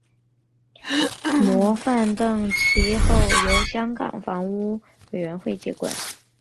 模范邨其后由香港房屋委员会接管。